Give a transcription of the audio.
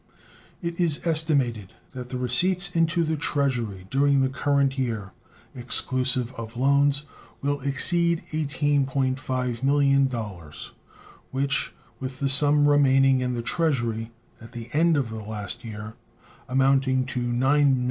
It is estimated that the receipts into the Treasury during the current year, exclusive of loans, will exceed $18.5 millions, which, with the sum remaining in the Treasury at the end of the last year, amounting to $9,463,922.